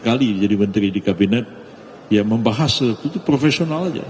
kali jadi menteri di kabinet ya membahas itu profesional aja